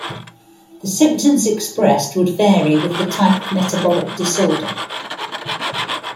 The symptoms expressed would vary with the type of metabolic disorder.